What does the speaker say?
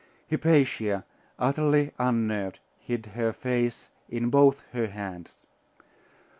Hypatia, utterly unnerved, hid her face in both her hands.